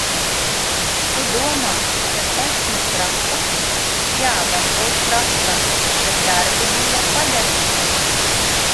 Tu domā, ka esmu traka? Jā, varbūt traka, bet darbi bija padarīti.